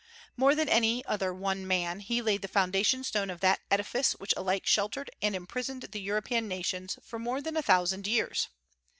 More than any other one man, he laid the foundation stone of that edifice which alike sheltered and imprisoned the European nations for more than a thousand years.